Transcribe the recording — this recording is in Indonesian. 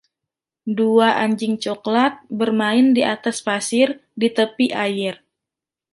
Dua anjing coklat bermain di atas pasir di tepi air.